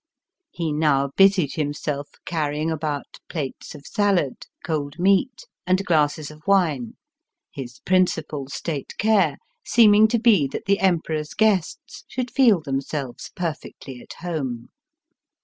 He now busied himself carrying about plates of salad, cold meat, and glasses of wine, his principal State care seeming to be that the Emperor's guests should feel themselves per fectly at home.